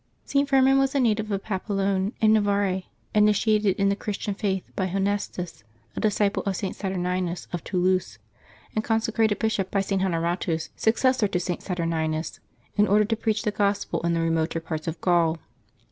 [t. Firmin was a native of Pampelone in ISTavarre, initiated in the Christian faith by Honestus, a dis ciple of St. Saturninus of Toulouse, and consecrated bishop by St. Honoratus, successor to St. Saturninus, in order to preach the Gospel in the remoter parts of Gaul.